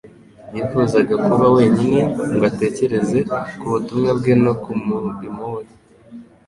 Yifuzaga kuba wenyine ngo atekereze ku butumwa bwe no ku murimo we